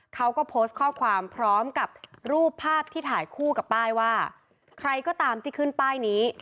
เขาก็โพสต์ข้อความพร้อมกับรูปภาพที่ถ่ายคู่กับป้ายว่าใครก็ตามที่ขึ้นป้ายนี้